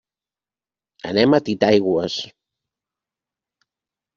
Anem a Titaigües.